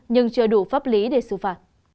nhưng chưa đủ pháp lý để xử phạt